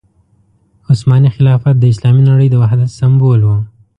عثماني خلافت د اسلامي نړۍ د وحدت سمبول وو.